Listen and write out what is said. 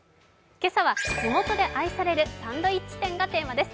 今朝は地元で愛されるサンドイッチ店がテーマです。